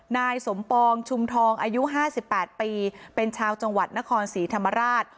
นายสมปองชุมทองอายุ๕๘ปีเป็นชาวจังหวัดนครศรีธรรมราช